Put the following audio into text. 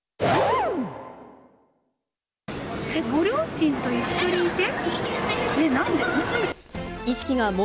ご両親と一緒にいて？